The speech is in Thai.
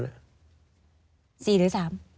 ๔หรือ๓